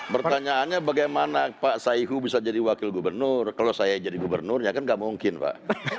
pertanyaannya bagaimana pak saihu bisa jadi wakil gubernur kalau saya jadi gubernurnya kan nggak mungkin pak